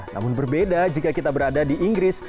namun berbeda jika kita berada di inggris